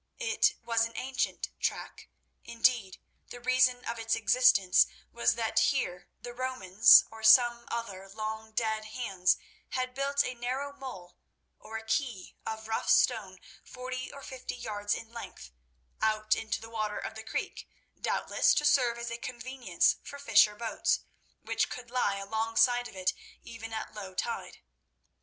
It was an ancient track; indeed the reason of its existence was that here the Romans or some other long dead hands had built a narrow mole or quay of rough stone, forty or fifty yards in length, out into the water of the creek, doubtless to serve as a convenience for fisher boats, which could lie alongside of it even at low tide.